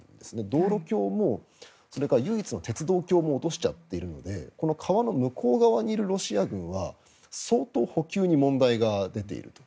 道路橋もそれから唯一の鉄道橋も落としちゃってるのでこの川の向こう側にいるロシア軍は相当、補給に問題が出ていると。